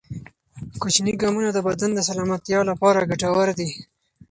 کوچني ګامونه د بدن د سلامتیا لپاره ګټور دي.